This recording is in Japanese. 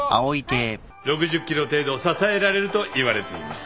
６０ｋｇ程度支えられるといわれています。